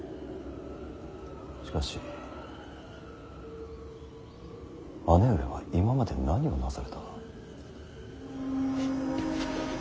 しかし姉上は今まで何をなされた。